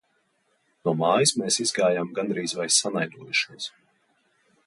No mājas mēs izgājām gandrīz vai sanaidojušies.